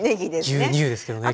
牛乳ですけどね今日は。